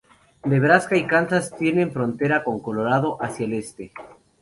Nebraska y Kansas tienen frontera con Colorado hacia el este.